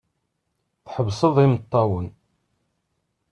Tḥebseḍ imeṭṭawen.